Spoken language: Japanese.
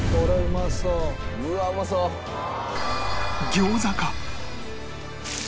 餃子か？